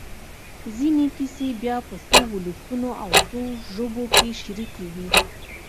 ځينې کیسې بیا په څو ولسونو او څو ژبو کې شریکې وي.